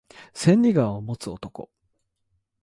千里眼を持つ男